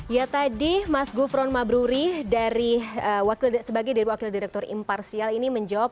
ya tadi mas gufron mabruri sebagai dari wakil direktur imparsial ini menjawab